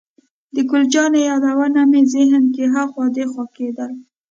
د ګل جانې یادونه مې ذهن کې اخوا دېخوا کېدل.